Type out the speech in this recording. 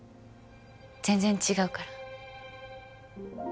全然違うから